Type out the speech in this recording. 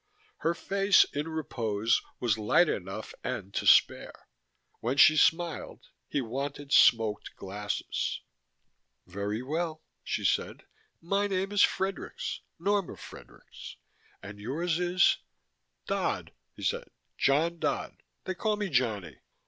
Her face, in repose, was light enough and to spare; when she smiled, he wanted smoked glasses. "Very well," she said. "My name is Fredericks. Norma Fredericks. And yours is " "Dodd," he said. "John Dodd. They call me Johnny."